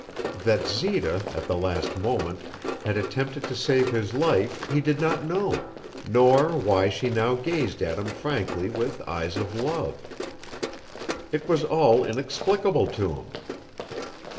That Zita, at the last moment, had attempted to save his life he did not know, nor why she now gazed at him frankly with eyes of love. It was all inexplicable to him.